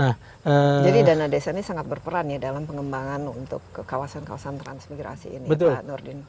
jadi dana desa ini sangat berperan dalam pengembangan untuk kawasan kawasan transmigrasi ini pak nurdin